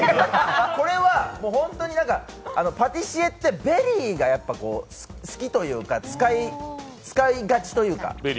これはパティシエってベリーが好きというか、使いがちというか。